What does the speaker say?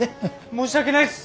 申し訳ないっす。